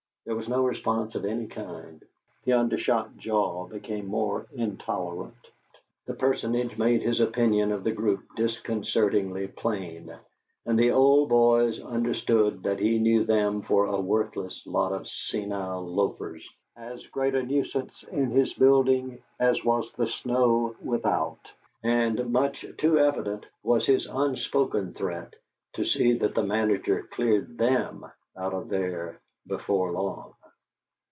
There was no response of any kind; the undershot jaw became more intolerant. The personage made his opinion of the group disconcertingly plain, and the old boys understood that he knew them for a worthless lot of senile loafers, as great a nuisance in his building as was the snow without; and much too evident was his unspoken threat to see that the manager cleared them out of there before long.